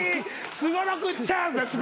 すごろくチャンス！